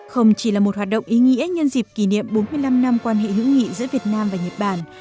không chỉ là một hoạt động ý nghĩa nhân dịp kỷ niệm bốn mươi năm năm quan hệ hữu nghị giữa việt nam và nhật bản